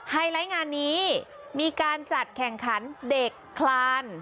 ไลท์งานนี้มีการจัดแข่งขันเด็กคลาน